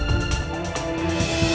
saya sudah selesai mencari